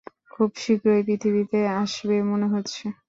খুব শীঘ্রই পৃথিবীতে আসবে মনে হচ্ছে।